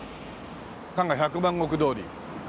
加賀百万石通り。